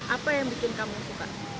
apa yang bikin kamu suka